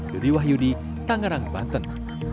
dari wahyudi tangerang banten